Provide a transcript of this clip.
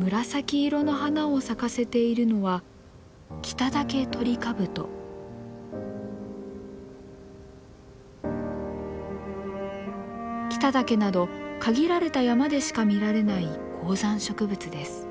紫色の花を咲かせているのは北岳など限られた山でしか見られない高山植物です。